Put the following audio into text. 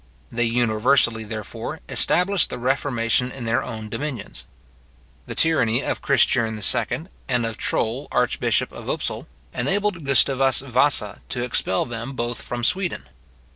They universally, therefore, established the reformation in their own dominions. The tyranny of Christiern II., and of Troll archbishop of Upsal, enabled Gustavus Vasa to expel them both from Sweden.